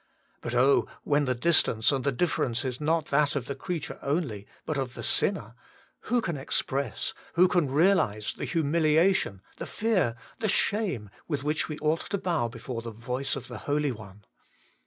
But oh ! when the distance and the difference is not that of the creature only, but of the sinner, who can ex press, who can realize, the humiliation, the fear, the shame with which we ought to bow before the voice of the Holy One